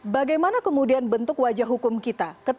bagaimana kemudian bentuk wajah hukum kita